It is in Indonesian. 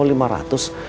kalau lima ratus